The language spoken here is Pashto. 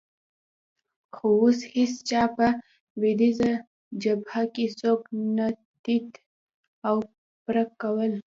خو اوس هېڅ چا په لوېدیځه جبهه کې څوک نه تیت او پرک کول.